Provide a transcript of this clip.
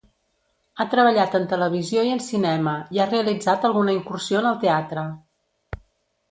Ha treballat en televisió i en cinema, i ha realitzat alguna incursió en el teatre.